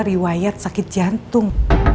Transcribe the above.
riwayat sakit jantung